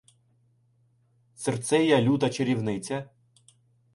Цирцея, люта чарівниця